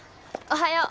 おはよう。